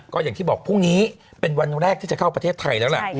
ก็อย่างที่บอกพรุ่งนี้เป็นวันแรกที่จะเข้าประเทศไทยแล้วล่ะ